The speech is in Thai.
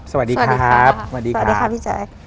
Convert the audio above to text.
สวัสดีครับสวัสดีครับพี่ใจ